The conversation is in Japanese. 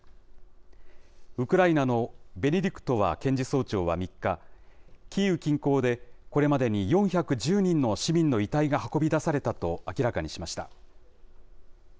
ウクライナのベネディクトワ検事総長は３日、キーウ近郊で、これまでに４１０人の市民の遺体が運び出されたと明らかにしました。